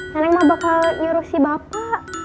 neneng mah bakal nyuruh si bapak